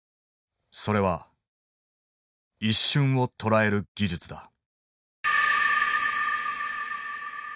それは一瞬をとらえる技術だ。